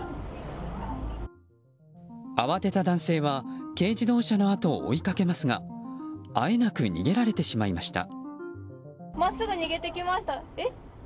慌てた男性は軽自動車のあとを追いかけますがあえなく逃げられてしまいました。